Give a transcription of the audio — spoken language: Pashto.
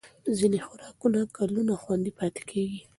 ځینې خوراکونه کلونه خوندي پاتې کېږي.